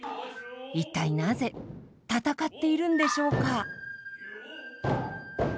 一体なぜ戦っているんでしょうか？